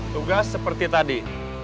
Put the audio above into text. tugas seperti tadi